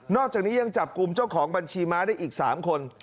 อกจากนี้ยังจับกลุ่มเจ้าของบัญชีม้าได้อีก๓คน